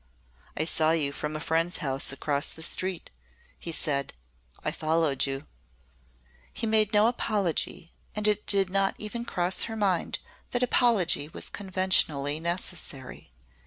"I saw you from a friend's house across the street," he said. "I followed you." He made no apology and it did not even cross her mind that apology was conventionally necessary.